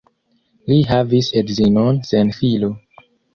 Li havis edzinon sen filo.